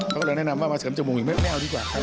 เขาก็แนะนำว่ามาเสริมจมูกหรือไม่ไม่เอาดีกว่า